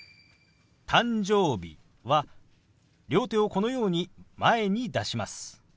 「誕生日」は両手をこのように前に出します。